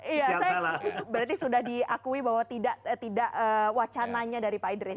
iya saya berarti sudah diakui bahwa tidak wacananya dari pak idris